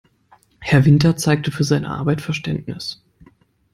Herr Winter zeigte für seine Arbeit Verständnis.